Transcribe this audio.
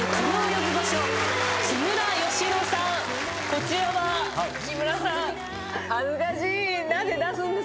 こちらは木村さん。